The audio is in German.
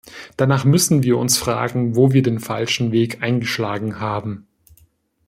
Danach müssen wir uns fragen, wo wir den falschen Weg eingeschlagen haben.